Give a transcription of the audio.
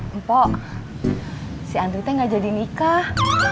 empo si andri teh gak jadi nikah